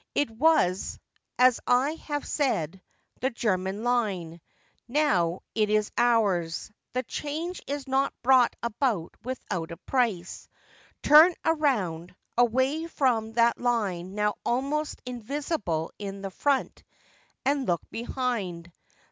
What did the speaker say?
It was, as I have said, the German line — now it is ours ; the change is not brought about without a price. Turn around, away from that line now almost in visible in front, and look behind.